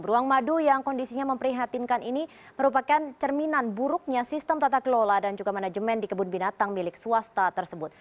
ruang madu yang kondisinya memprihatinkan ini merupakan cerminan buruknya sistem tata kelola dan juga manajemen di kebun binatang milik swasta tersebut